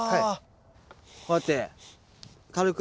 こうやって軽く。